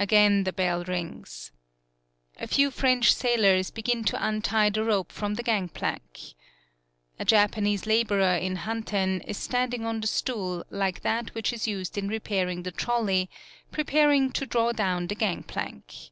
Again the bell rings. A few French sailors begin to untie the rope from the gangplank. A Japanese laborer in Hanten is standing on the stool like that which is used in repairing the trolley, preparing to draw down the gangplank.